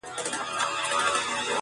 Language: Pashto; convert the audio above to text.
ورو ورو بدلېږي-